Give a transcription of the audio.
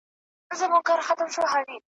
څونا چیزه کر ښي، اشعار نه لرم